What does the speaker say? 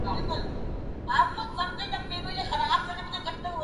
یہاں ایسا ممکن نہیں۔